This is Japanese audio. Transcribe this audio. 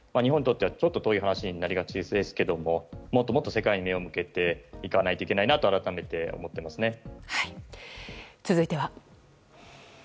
日本にとってはこういう話になりがちですがもっともっと世界に目を向けていかないと続いては。